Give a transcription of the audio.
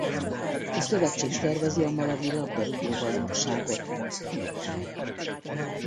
A szövetség szervezi a Malawi labdarúgó-bajnokságot.